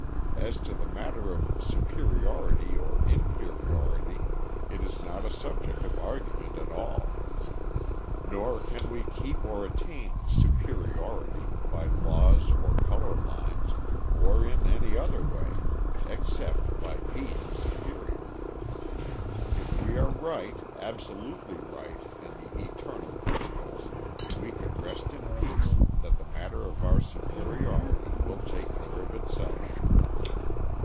As to the matter of "superiority" or "inferiority," it is not a subject of argument at all; nor can we keep or attain "superiority" by laws or colour lines, or in any other way, except by being superior. If we are right, absolutely right, in the eternal principles, we can rest in peace that the matter of our superiority will take care of itself.